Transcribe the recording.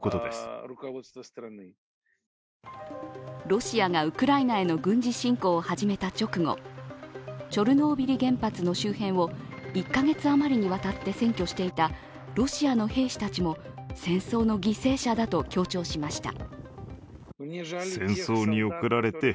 ロシアがウクライナへの軍事侵攻を始めた直後、チョルノービリ原発の周辺を１カ月余りにわたって占拠していたロシアの兵士たちも戦争の犠牲者だと強調しました。